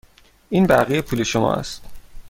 این بقیه پول شما است.